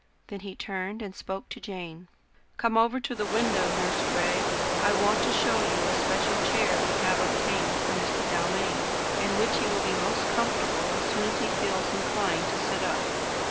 Then he turned and spoke to Jane. "Come over to the window, Nurse Gray. I want to show you a special chair we have obtained for Mr. Dalmain, in which he will be most comfortable as soon as he feels inclined to sit up.